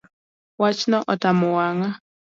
Wachno otamo wang’a